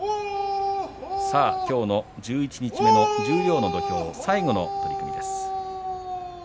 きょうの十一日目の十両の土俵最後の取組です。